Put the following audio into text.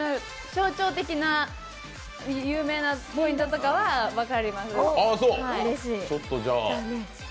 象徴的な、有名なポイントとかは分かります。